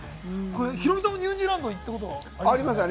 ヒロミさんもニュージーランド行ったこと、ありますよね。